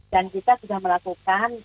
dan kita sudah melakukan